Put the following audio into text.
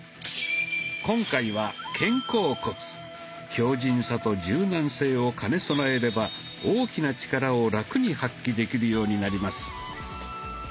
強じんさと柔軟性を兼ね備えれば大きな力をラクに発揮できるようになります。